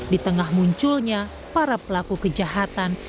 di tengah munculnya para pelaku kejahatan